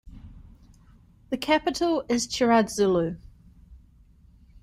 The capital is Chiradzulu.